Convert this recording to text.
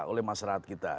oleh masyarakat kita